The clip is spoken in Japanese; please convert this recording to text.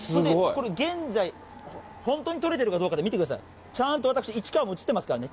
これ、現在、本当に撮れてるかどうかで見てください、ちゃんと私、市川も写ってますからね。